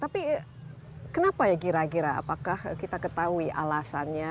tapi kenapa ya kira kira apakah kita ketahui alasannya